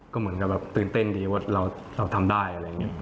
ก็เหมือนกับแบบตื่นเต้นดีว่าเราทำได้อะไรอย่างนี้